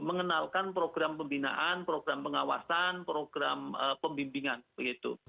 mengenalkan program pembinaan program pengawasan program pembimbingan begitu